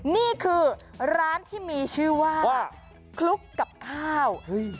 นี่คือร้านที่มีชื่อว่าคลุกกับข้าว